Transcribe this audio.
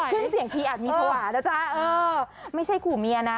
ไม่ไหวพี่อาจมีธรรมะนะจ๊ะไม่ใช่กูเมียนะ